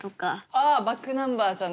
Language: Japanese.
ああｂａｃｋｎｕｍｂｅｒさんの。